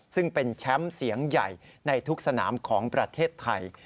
ซึ่งเป็นแชมป์เสียงใหญ่ในทุกสนามของประเทศไทย